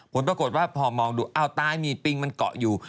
ผลปรากฏว่าพอมองดูอ้าวตายมีดปิงมันเกาะอยู่